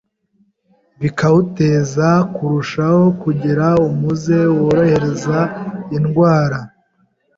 bikawuteza kurushaho kugira umuze worohereza indwara.